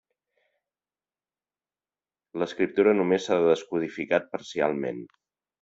L'escriptura només s'ha descodificat parcialment.